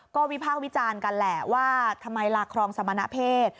ก็วิพากษ์วิจารณ์กันแหละว่าทำไมลาครองสมณเพศ